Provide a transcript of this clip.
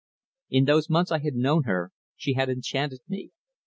In those months I had known her she had enchanted me.